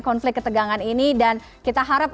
konflik ketegangan ini dan kita harap